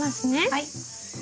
はい。